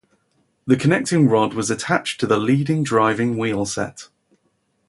The connecting rod was attached to the leading driving wheelset.